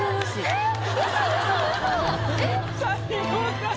えっ？